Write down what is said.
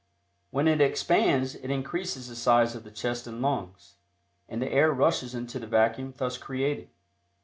When it expands, it increases the size of the chest and lungs, and the air rushes into the vacuum thus created.